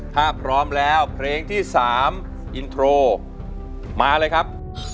ถ้าพร้อมแล้วเพลงที่๓อินโทรมาเลยครับ